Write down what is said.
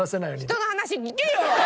人の話聞けよ！